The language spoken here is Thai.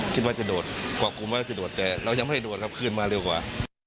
พูดเป็นภาษาอินาทีาว่า